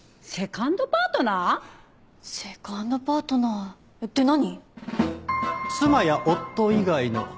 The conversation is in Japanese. セカンドパートナーって何？